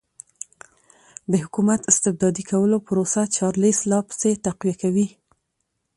د حکومت استبدادي کولو پروسه چارلېس لا پسې تقویه کړه.